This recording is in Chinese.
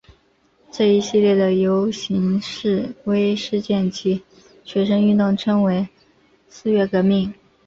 这一系列的游行示威事件及学生运动称为四月革命。